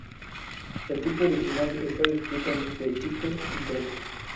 El tipo original está descrito de Egipto y Creta.